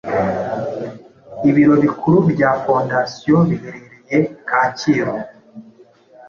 Ibiro bikuru bya Fondasiyo biherereye kacyiru